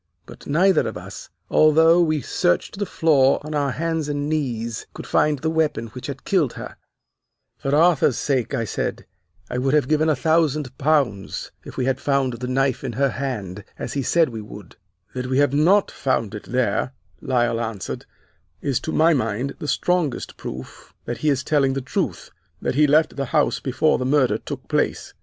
But neither of us, although we searched the floor on our hands and knees, could find the weapon which had killed her. [Illustration: We found the body of the Princess Zichy] "'For Arthur's sake,' I said, 'I would have given a thousand pounds if we had found the knife in her hand, as he said we would.' "'That we have not found it there,' Lyle answered, 'is to my mind the strongest proof that he is telling the truth, that he left the house before the murder took place.